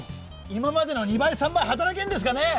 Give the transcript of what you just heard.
今までの２倍３倍働けるんですかねえ！